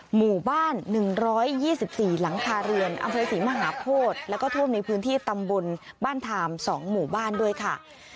หมู่บ้าน๑๒๔หลังคาเรือนอำเภอศรีมหาโพธิแล้วก็ท่วมในพื้นที่ตำบลบ้านทาม๒หมู่บ้านด้วยค่ะ